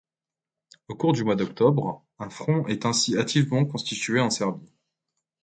Au cours du mois d'octobre, un front est ainsi hâtivement constitué en Serbie.